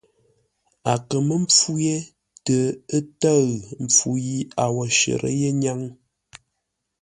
A kə mə́ mpfú yé tə ə́ tə̂ʉ mpfu yi a wo shərə́ yé ńnyáŋ.